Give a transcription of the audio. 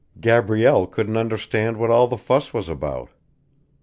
Gabrielle couldn't understand what all the fuss was about.